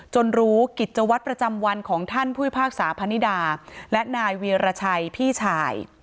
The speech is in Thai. รู้กิจวัตรประจำวันของท่านผู้พิพากษาพนิดาและนายเวียรชัยพี่ชาย